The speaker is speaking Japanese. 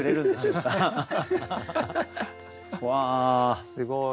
うわすごい。